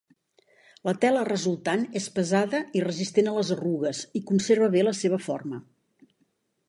La tela resultant és pesada i resistent a les arrugues, i conserva bé la seva forma.